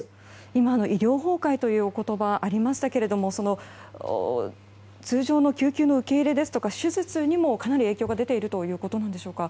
今、医療崩壊というお言葉がありましたが通常の救急の受け入れですとか手術にもかなり影響が出ているということなんでしょうか。